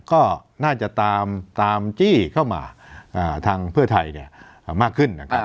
ก็น่าจะตามตามจี้เข้ามาอ่าทางเพื่อไทยเนี่ยอ่ามากขึ้นนะครับ